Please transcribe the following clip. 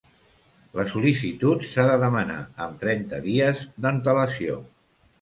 La sol·licitud s'ha de demanar amb trenta dies d'antelació.